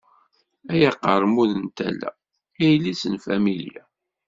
Ay aqermud n tala, yelli-s n familya.